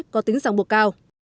có tính sáng buộc cao